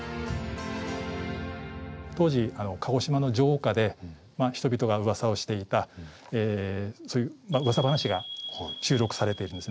当時鹿児島の城下で人々がうわさをしていたそういううわさ話が収録されているんですね。